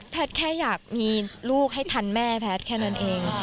แค่อยากมีลูกให้ทันแม่แพทย์แค่นั้นเอง